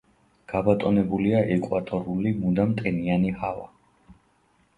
გაბატონებულია ეკვატორული მუდამ ტენიანი ჰავა.